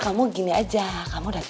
kamu ajak tante